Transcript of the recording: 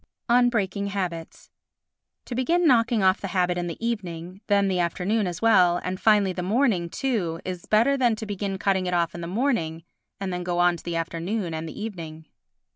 On Breaking Habits To begin knocking off the habit in the evening, then the afternoon as well and, finally, the morning too is better than to begin cutting it off in the morning and then go on to the afternoon and evening.